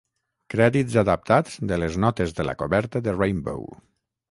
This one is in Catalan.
Crèdits adaptats de les notes de la coberta de "Rainbow".